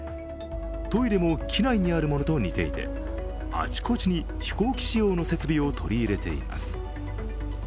トイレも機内にあるものと似ていて、あちこちに飛行機仕様の設備を取り入れています。